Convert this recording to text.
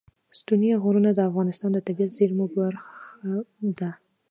ستوني غرونه د افغانستان د طبیعي زیرمو برخه ده.